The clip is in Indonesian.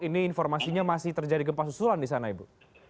ini informasinya masih terjadi gempa susulan di sana ibu